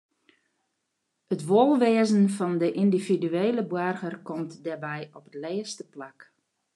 It wolwêzen fan de yndividuele boarger komt dêrby op it lêste plak.